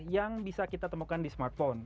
yang bisa kita temukan di smartphone